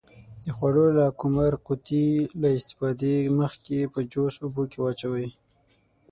د خوړو لاکمُر قوطي له استفادې مخکې په جوش اوبو کې واچوئ.